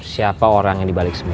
siapa orang yang dibalik semua